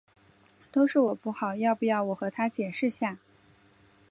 都是我不好，要不要我和她解释下？